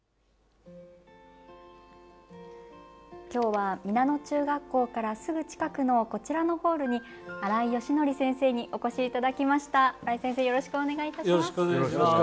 きょうは皆野中学校からすぐ近くの、こちらのホールに新井淑則先生にお越しいただきました。